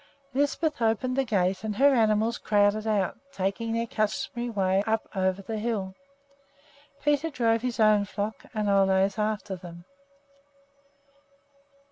Lisbeth opened the gate and her animals crowded out, taking their customary way up over the hill. Peter drove his own flock and Ole's after them.